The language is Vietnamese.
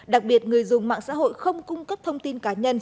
đặc biệt người dùng mạng xã hội không cung cấp thông tin cá nhân